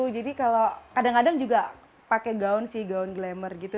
jadi kalau kadang kadang juga pake gaun sih gaun glamour gitu